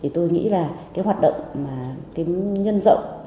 tôi nghĩ là hoạt động nhân rộng